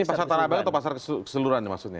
ini pasaran tanah abang atau pasaran keseluruhan maksudnya